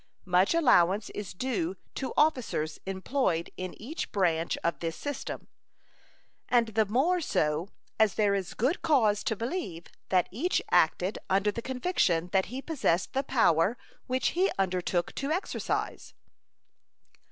Much allowance is due to officers employed in each branch of this system, and the more so as there is good cause to believe that each acted under the conviction that he possessed the power which he undertook to exercise.